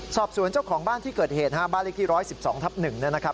สอบสวนเจ้าของบ้านที่เกิดเหตุฮะบ้านเลขที่๑๑๒ทับ๑เนี่ยนะครับ